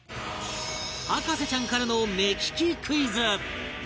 博士ちゃんからの目利きクイズ！